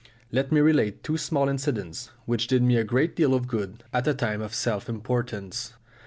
Let me relate two small incidents which did me a great deal of good at a time of self importance.